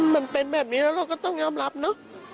มันเป็นแบบนี้แล้วเราก็ต้องยอมรับเนอะ